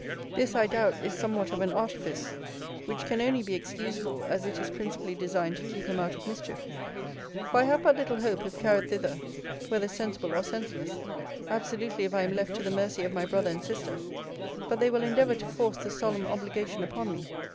This, I doubt, is somewhat of an artifice; which can only be excusable, as it is principally designed to keep him out of mischief. For I have but little hope, if carried thither, whether sensible or senseless, absolutely if I am left to the mercy of my brother and sister, but they will endeavour to force the solemn obligation upon me.